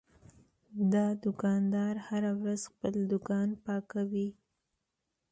دا دوکاندار هره ورځ خپل دوکان پاکوي.